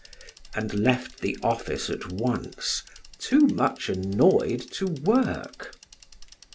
and left the office at once, too much annoyed to work.